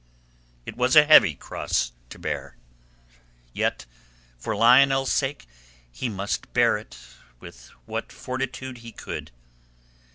It was a heavy cross to bear. Yet for Lionel's sake he must bear it with what fortitude he could.